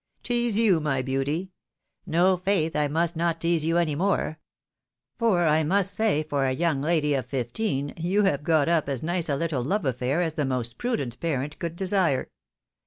" Tease you, my beauty ? No, faith,.! must not tease you any more ; for I must say, for a lady of fifteen you have got up as nice a little love afiair as the most prudent parent could desire.